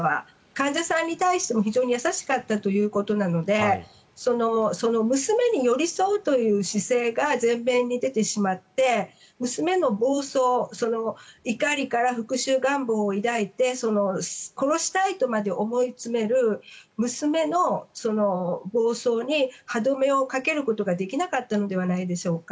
患者さんに対しても非常に優しかったということなので娘に寄り添うという姿勢が前面に出てしまって娘の暴走怒りから復しゅう願望を抱いて殺したいとまで思い詰める娘の暴走に歯止めをかけることができなかったのではないでしょうか。